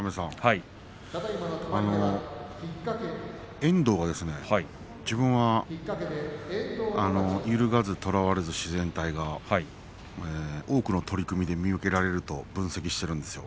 遠藤がですね、自分は揺るがずとらわれず自然体が多くの取組で見受けられると分析しているんです。